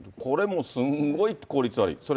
これもすんごい効率悪い。